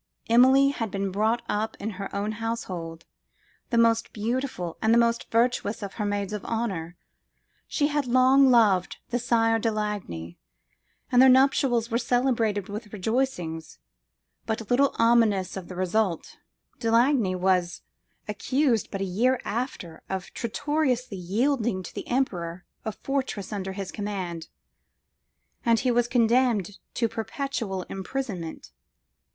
Emilie had been brought up in her own household, the most beautiful and the most virtuous of her maids of honour. She had long loved the Sire de Lagny, and their nuptials were celebrated with rejoicings but little ominous of the result. De Lagny was accused but a year after of traitorously yielding to the emperor a fortress under his command, and he was condemned to perpetual imprisonment.